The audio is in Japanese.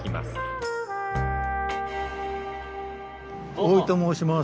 大井と申します。